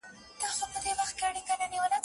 په میوندونو کي د زغرو قدر څه پیژني